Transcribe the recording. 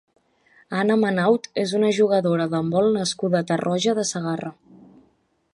Anna Manaut és una jugadora d'handbol nascuda a Tarroja de Segarra.